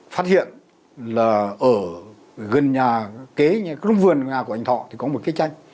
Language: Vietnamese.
phát hiện là ở gần nhà kế gần vườn nhà của anh thọ thì có một cây chanh